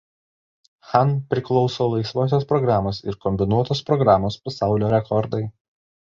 Chan priklauso laisvosios programos ir kombinuotos programos pasaulio rekordai.